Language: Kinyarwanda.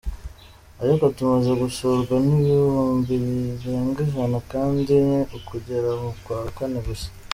Ariko tumaze gusurwa n’ibihumbi birenga ijana kandi ni ukugera mu kwa kane gusa.